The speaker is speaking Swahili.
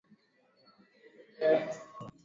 Nifwateni sipitali, na dawa ziko nyumbani?